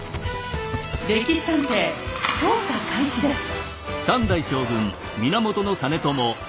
「歴史探偵」調査開始です。